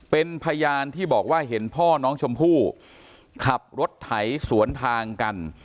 เป็นพยานที่บอกว่าเห็นพ่อน้องชมพู่ขับรถไถสวนทางกัน